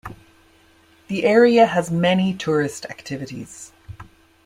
The area has many tourist activities.